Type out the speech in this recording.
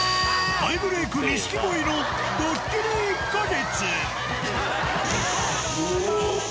大ブレーク、錦鯉のドッキリ１か月。